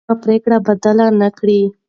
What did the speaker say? مرګ به پرېکړه بدله نه کړي.